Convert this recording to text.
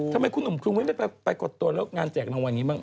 ทำไมคุณหนุ่มครูไม่ไปกดตัวแล้วงานแจกรางวัลอย่างนี้บ้าง